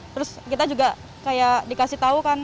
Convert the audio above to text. terus kita juga kayak dikasih tahu kan